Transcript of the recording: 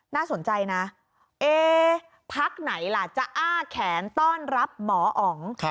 น่าสนใจนะเอ๊พักไหนล่ะจะอ้าแขนต้อนรับหมออ๋อง